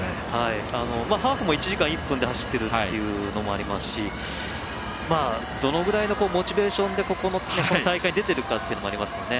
ハーフも１時間１分で走っているというのもありますしどのぐらいのモチベーションでこの大会に出ているかっていうのもありますよね。